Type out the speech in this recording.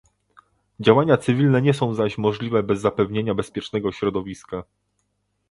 Działania cywilne nie są zaś możliwe bez zapewnienia bezpiecznego środowiska